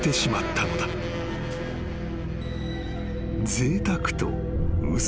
［ぜいたくと嘘］